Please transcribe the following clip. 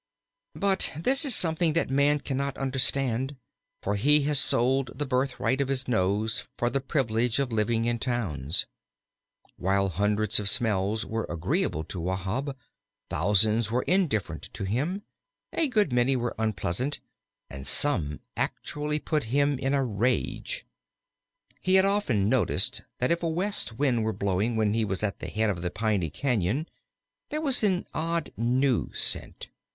But this is something that man cannot understand, for he has sold the birthright of his nose for the privilege of living in towns. While hundreds of smells were agreeable to Wahb, thousands were indifferent to him, a good many were unpleasant, and some actually put him in a rage. He had often noticed that if a west wind were blowing when he was at the head of the Piney Cañon there was an odd, new scent.